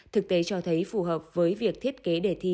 thực tế cho thấy phù hợp với việc thiết kế đề thi